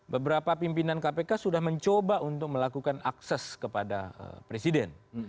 beberapa pimpinan kpk sudah mencoba untuk melakukan akses kepada presiden